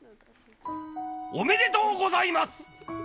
おめでとうございます。